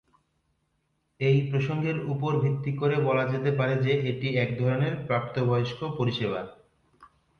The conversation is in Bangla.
এই প্রসঙ্গের উপর ভিত্তি করে বলা যেতে পারে যে, এটি এক ধরনের প্রাপ্তবয়স্ক পরিষেবা।